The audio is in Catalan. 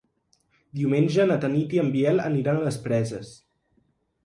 Diumenge na Tanit i en Biel aniran a les Preses.